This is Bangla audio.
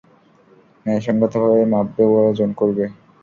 ন্যায়সঙ্গতভাবে মাপবে ও ওজন করবে।